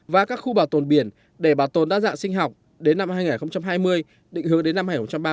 và các khu bảo tồn biển để bảo tồn đa dạng sinh học đến năm hai nghìn hai mươi định hướng đến năm hai nghìn ba mươi